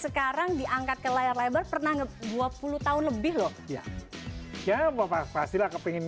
sekarang diangkat ke layar lebar pernah nge dua puluh tahun lebih loh ya ya bapak pastilah kepingin